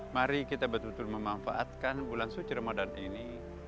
mari kita betul betul memanfaatkan bulan suci ramadan ini